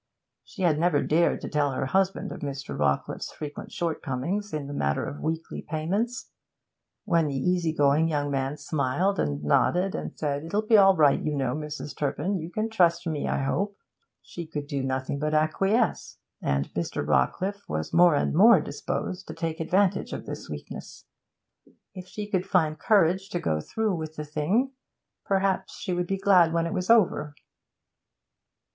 She had never dared to tell her husband of Mr. Rawcliffe's frequent shortcomings in the matter of weekly payments. When the easy going young man smiled and nodded, and said, 'It'll be all right, you know, Mrs. Turpin; you can trust me, I hope,' she could do nothing but acquiesce. And Mr. Rawcliffe was more and more disposed to take advantage of this weakness. If she could find courage to go through with the thing, perhaps she would be glad when it was over.